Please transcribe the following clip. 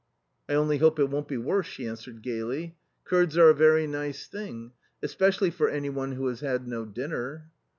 " I only hope it won't be worse," she answered gaily ;" curds are a very nice thing, especially for any one who has had no dinner."